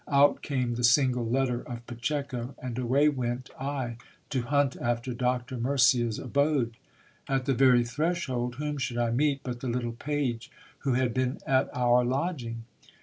Out came the single letter of Pacheco, and away went I to hunt after Doctor Murcia's abode. At the very threshold, whom should I meet but the little page who had been at our lodging.